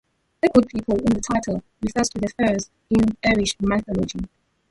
The "Good People" in the title refers to the fairies in Irish mythology.